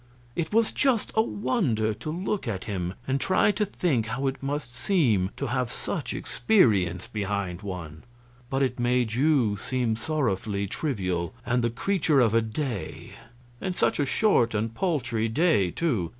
It was just a wonder to look at him and try to think how it must seem to have such experience behind one. But it made you seem sorrowfully trivial, and the creature of a day, and such a short and paltry day, too.